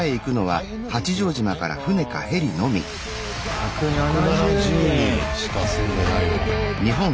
１７０人！しか住んでないの。